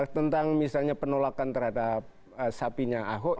tentang misalnya penolakan terhadap sapinya al amin